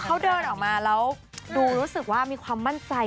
เขาเดินออกมาแล้วดูรู้สึกว่ามีความมั่นใจ